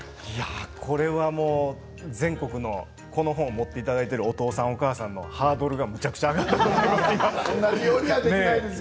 これは全国のこの本を持っていただいているお父さん、お母さんのハードルがめちゃくちゃ上がったと思います。